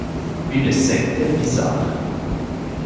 Une secte bizarre.